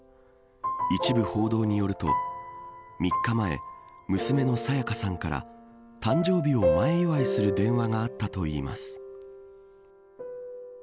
一部報道によると３日前、娘の沙也加さんから誕生日を前祝いする電話があったといいます。